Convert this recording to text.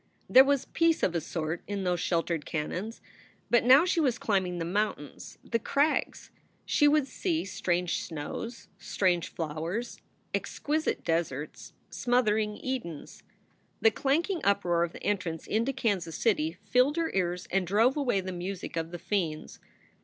There was peace of a sort in those shel tered canons, but now she was climbing the mountains, the crags. She would see strange snows, strange flowers, ex quisite deserts, smothering Edens. The clanking uproar of the entrance into Kansas City filled her ears and drove away the music of the fiends.